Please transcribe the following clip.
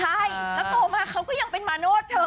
ใช่แล้วต่อมาเขาก็ยังเป็นมาโนธเธอ